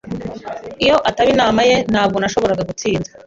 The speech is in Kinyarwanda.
Iyo itaba inama ye, ntabwo nashoboraga gutsinda.